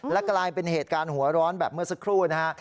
และกลายเป็นเหตุการณ์หัวร้อนแบบเมื่อสักครู่นะฮะ